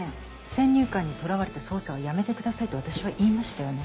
先入観にとらわれた捜査はやめてくださいと私は言いましたよね？